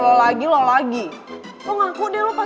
selamat datang ke selatan